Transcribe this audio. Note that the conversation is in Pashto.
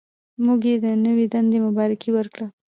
موږ یې د نوې دندې مبارکي ورکړه.